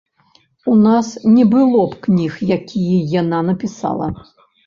У нас не было б кніг, якія яна напісала.